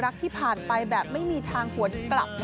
รักที่ผ่านไปแบบไม่มีทางหวนกลับ